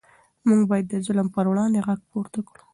موږ باید د ظلم پر وړاندې غږ پورته کړو.